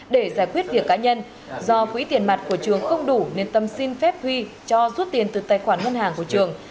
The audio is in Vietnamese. để giải quyết việc cá nhân do quỹ tiền mặt của trường không đủ nên tâm xin phép huy cho rút tiền từ tài khoản ngân hàng của trường